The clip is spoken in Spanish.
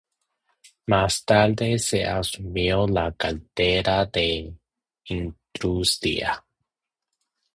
Más tarde asumió la cartera de Industria.